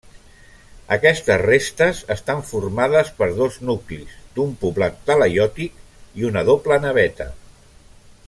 Aquestes restes estan formades per dos nuclis d'un poblat talaiòtic i una doble naveta.